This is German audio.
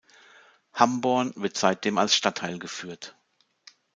Hamborn wird seitdem als Stadtteil geführt.